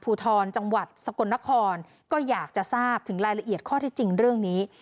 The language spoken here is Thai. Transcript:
ภูทรจังหวัดสกลนครก็อยากจะทราบถึงรายละเอียดข้อที่จริงเรื่องนี้